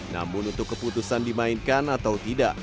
namun untuk keputusan dimainkan atau tidak